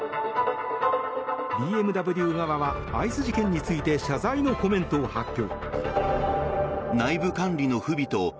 ＢＭＷ側はアイス事件について謝罪のコメントを発表。